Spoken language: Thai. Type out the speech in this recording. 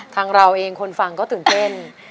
เราเองคนฟังก็ตื่นเต้น